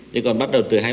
nhưng còn bắt đầu từ